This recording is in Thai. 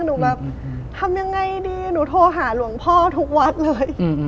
หนูแบบทำยังไงดีหนูโทรหาหลวงพ่อทุกวัดเลย